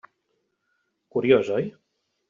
Curiós, oi?